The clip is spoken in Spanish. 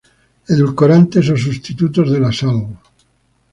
Edulcorantes o sustitutos de la sal.